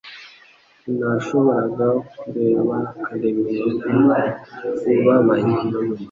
Sinashoboraga kureba Karemera ubabaye